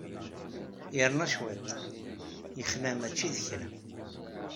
Yerna cwiṭ, yexleɛ mačči d kra.